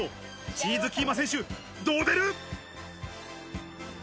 チーズキーマ選手、どう出る？